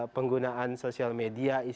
penggunaan sosial media